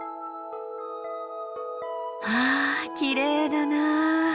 わあきれいだな。